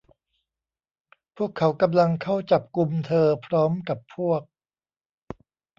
พวกเขากำลังเข้าจับกุมเธอพร้อมกับพวก